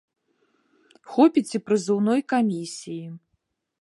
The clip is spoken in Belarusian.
Хопіць і прызыўной камісіі.